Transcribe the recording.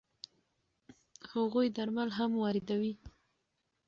هغوی درمل هم واردوي.